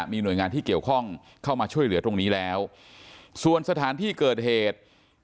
มีหน่วยงานที่เกี่ยวข้องเข้ามาช่วยเหลือตรงนี้แล้วส่วนสถานที่เกิดเหตุ